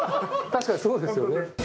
確かにそうですよね。